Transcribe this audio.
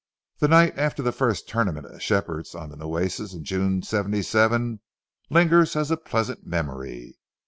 The night after the first tournament at Shepherd's on the Nueces in June, '77, lingers as a pleasant memory.